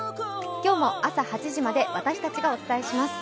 今日も朝８時まで私たちがお伝えします。